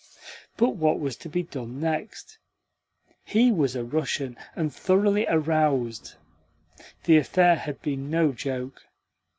But what was to be done next? He was a Russian and thoroughly aroused. The affair had been no joke.